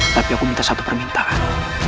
tapi aku minta satu permintaan